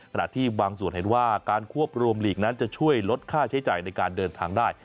ขณะที่บางส่วนเห็นว่าการควบรวมหลีกนั้นจะช่วยลดค่าใช้จ่ายในการเดินทางได้